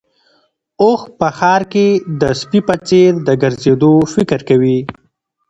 اوښ په ښار کې د سپي په څېر د ګرځېدو فکر کوي.